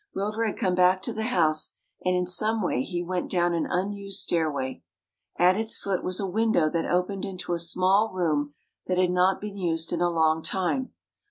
Rover had come back to the house, and in some way he went down an unused stairway. At its foot was a window that opened into a small room that had not been used in a long time.